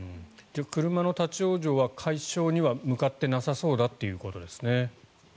車の立ち往生は解消には向かってなさそうだということですね。